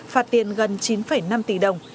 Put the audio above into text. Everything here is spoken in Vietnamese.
phạt tiền gần chín năm tỷ đồng